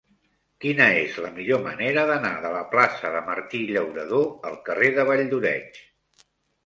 Quina és la millor manera d'anar de la plaça de Martí Llauradó al carrer de Valldoreix?